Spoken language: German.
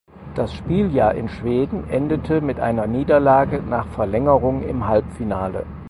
Das Spieljahr in Schweden endete mit einer Niederlage nach Verlängerung im Halbfinale.